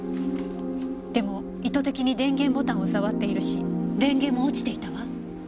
でも意図的に電源ボタンを触っているし電源も落ちていたわ。